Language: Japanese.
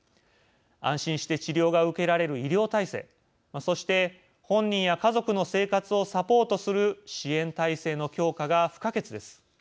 安心して治療が受けられる医療体制、そして本人や家族の生活をサポートする支援体制の強化が不可欠です。